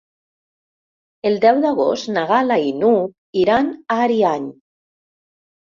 El deu d'agost na Gal·la i n'Hug iran a Ariany.